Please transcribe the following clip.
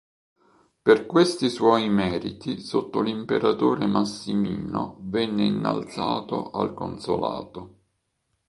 Per questi suoi meriti sotto l'imperatore Massimino venne innalzato al consolato.